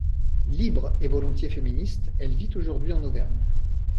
Libre et volontiers féministe, elle vit aujourd'hui en Auvergne.